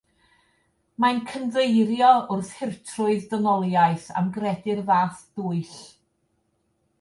Mae'n cynddeirio wrth hurtrwydd dynoliaeth am gredu'r fath dwyll.